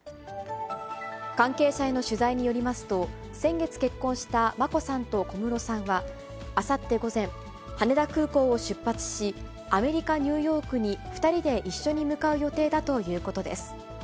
関係者への取材によりますと、先月結婚した眞子さんと小室さんはあさって午前、羽田空港を出発し、アメリカ・ニューヨークに２人で一緒に向かう予定だということです。